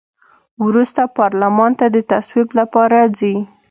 وروسته پارلمان ته د تصویب لپاره ځي.